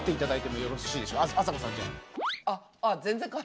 あさこさんじゃあ。